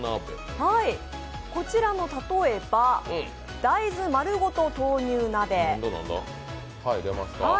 こちらの例えば、大豆まるごと豆乳鍋。